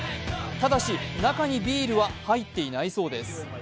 ただし、中にビールは入っていないそうです。